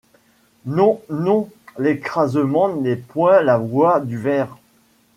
Non ! non ! l’écrasement n’est point la loi du ver.